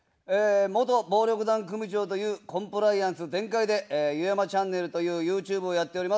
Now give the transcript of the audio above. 元暴力団組長というコンプライアンス全開で、ゆやまチャンネルというＹｏｕＴｕｂｅをやっております。